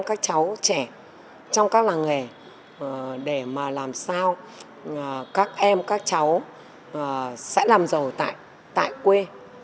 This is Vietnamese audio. các cháu trẻ trong các làng nghề để mà làm sao các em các cháu sẽ làm giàu tại quê